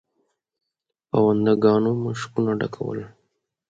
پونده ګانو مشکونه ډکول.